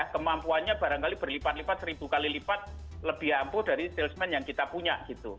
kemampuannya barangkali berlipat lipat seribu kali lipat lebih ampuh dari salesman yang kita punya gitu